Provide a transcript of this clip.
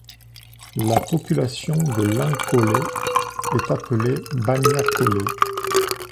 La population de l'Ankolé est appelée Banyankolé.